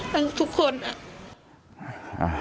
ทุกคนอะ